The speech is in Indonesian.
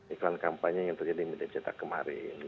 iklan kampanye yang terjadi di media cetak kemarin